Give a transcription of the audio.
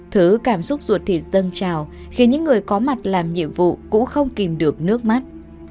thứ cảm xúc ruột thịt dâng trào khiến những người có mặt làm nhiệm vụ cũng không kìm được nước mắt